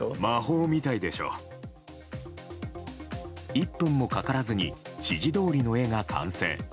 １分もかからずに指示どおりの絵が完成。